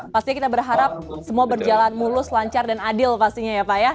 pastinya kita berharap semua berjalan mulus lancar dan adil pastinya ya pak ya